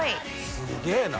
すげぇな。